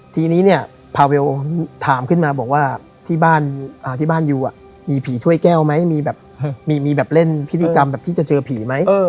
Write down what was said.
ทีนี้เนี่ยพาเวลถามขึ้นมาบอกว่าที่บ้านยูมีผีถ้วยแก้วไหมมีแบบมีแบบเล่นพิธีกรรมแบบที่จะเจอผีไหม